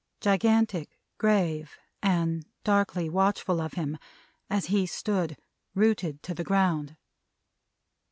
Gigantic, grave, and darkly watchful of him, as he stood rooted to the ground.